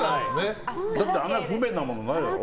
あんな不便なものないだろ。